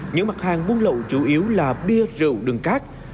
những mặt hàng buôn lậu chủ yếu là bia rượu đường cát